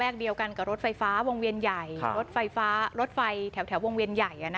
เดียวกันกับรถไฟฟ้าวงเวียนใหญ่รถไฟฟ้ารถไฟแถววงเวียนใหญ่